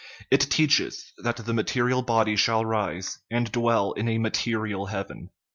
It teaches that the material body shall rise, and dwell in a material heaven."